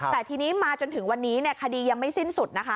แต่ทีนี้มาจนถึงวันนี้คดียังไม่สิ้นสุดนะคะ